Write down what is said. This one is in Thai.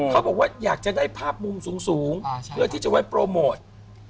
เขาบอกว่าอยากจะได้ภาพมุมสูงเพื่อที่จะไว้โปรโมท